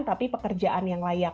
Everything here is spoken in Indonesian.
tapi pekerjaan yang layak